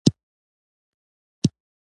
د جګړې کولو توان نه لري.